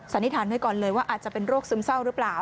นิษฐานไว้ก่อนเลยว่าอาจจะเป็นโรคซึมเศร้าหรือเปล่า